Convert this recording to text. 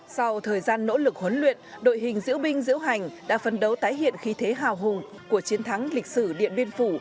sau thời gian nỗ lực huấn luyện đội hình diễu binh diễu hành đã phân đấu tái hiện khí thế hào hùng của chiến thắng lịch sử điện biên phủ